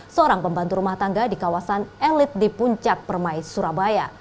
seorang pembantu rumah tangga di kawasan elit di puncak permai surabaya